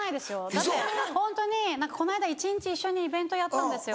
だってホントにこの間一日一緒にイベントやったんですよ。